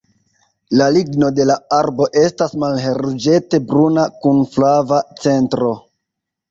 La ligno de la arbo estas malhelruĝete bruna kun flava centro.